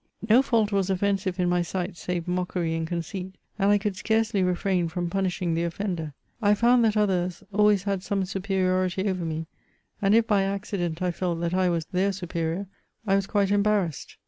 No fault was offensive in my sight save mockery and conceit, and I could scarcely refrain from punishing the offender; I found that others always had some superiority over me, and if, by acci dent, I felt that I was their superior, I was quite embarrassed.